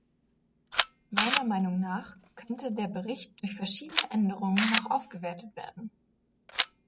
Meiner Meinung nach könnte der Bericht durch verschiedene Änderungen noch aufgewertet werden.